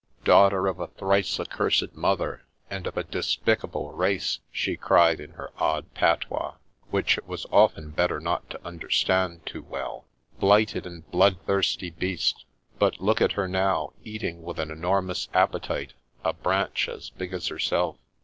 " Daughter of a thrice accursed mother, and of a despicable race !" she cried in her odd patois, which it was often better not to understand too well. " Blighted and bloodthirsty beast I But look at her now, eating with an enormous appetite a branch as big as herself.